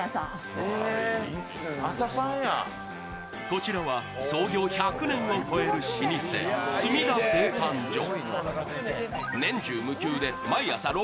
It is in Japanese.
こちらは創業１００年を超える老舗、住田製パン所。